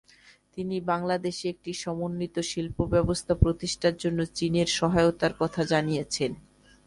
তিনি বাংলাদেশে একটি সমন্বিত শিল্পব্যবস্থা প্রতিষ্ঠার জন্য চীনের সহায়তার কথা জানিয়েছেন।